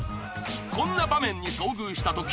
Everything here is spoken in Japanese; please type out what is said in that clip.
［こんな場面に遭遇したとき］